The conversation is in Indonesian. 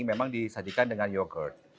memang disajikan dengan yogurt